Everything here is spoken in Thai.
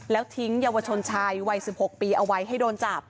แล้วทิ้งเยาวชนชายวัย๑๖ปีเอาไว้ให้โดนจับ